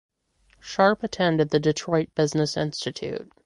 Sharpe attended the Detroit Business Institute.